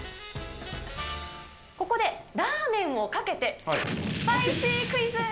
ここでラーメンをかけて、スパイシークイズ。